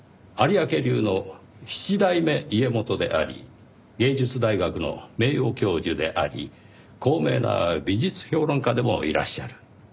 有明流の七代目家元であり芸術大学の名誉教授であり高名な美術評論家でもいらっしゃる。